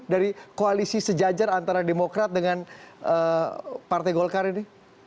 dari koalisi sejajar antara demokrat dengan partai golkar ini